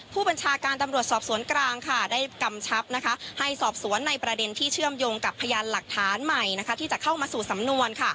ผู้บัญชาการตำรวจสอบสวนกลางได้กำชับให้สอบสวนในประเด็นที่เชื่อมโยงกับพยานหลักฐานใหม่ที่จะเข้ามาสู่สำนวน